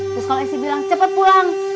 terus kalau istri bilang cepet pulang